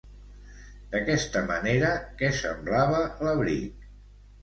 D'aquesta manera, què semblava l'abric?